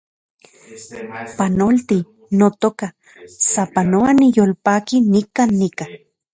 Panolti, notoka , sapanoa niyolpaki nikan nika